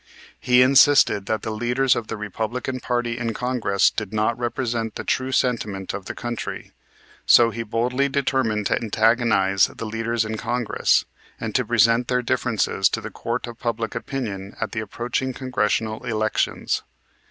He insisted that the leaders of the Republican party in Congress did not represent the true sentiment of the country, so he boldly determined to antagonize the leaders in Congress, and to present their differences to the court of public opinion at the approaching Congressional elections.